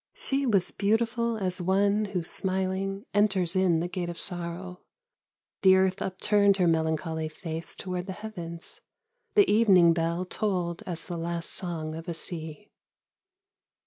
She was beautiful as one Who smiling, enters in the gate of Sorrow : The earth upturned her melancholy face Toward the heavens the evening bell Tolled as the last song of a sea.